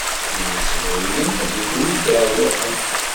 Win issebruyen ad d-igri deg iɛwiqen.